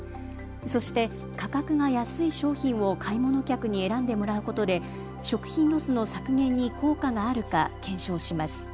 そして価格が安い商品を買い物客に選んでもらうことで食品ロスの削減に効果があるか検証します。